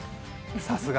さすが！